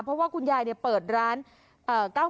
เพราะว่าคุณยายเปิดร้าน